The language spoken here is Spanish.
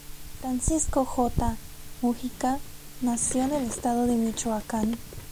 Francisco J. Múgica nació en el Estado de Michoacán.